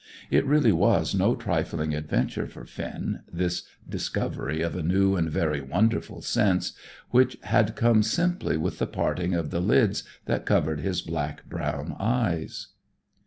It really was no trifling adventure for Finn, this discovery of a new and very wonderful sense, which had come simply with the parting of the lids that covered his black brown eyes.